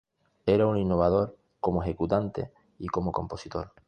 Era un innovador como ejecutante y como compositor.